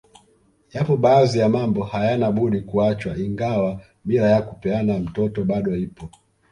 Yapo baadhi ya mambo hayana budi kuachwa ingawa mila ya kupeana mtoto bado ipo